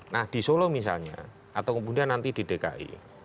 nah di solo misalnya atau kemudian nanti di dki